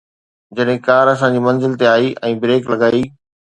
جڏهن ڪار اسان جي منزل تي آئي ۽ بريڪ لڳائي